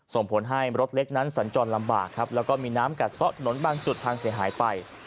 ส่งผลให้รถเล็กนั้นสัญจรลำบากครับแล้วก็มีน้ำกัดซะถนนบางจุดพังเสียหายไป